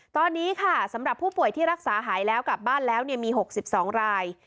ตอนนี้ค่ะสำหรับผู้ป่วยที่รักษาหายแล้วกลับบ้านแล้วมี๖๒ราย